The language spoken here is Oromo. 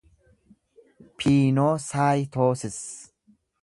piinoosaayitoosis